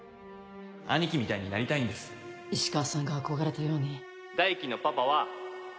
兄貴みたいになりたい石川さんが憧れたように。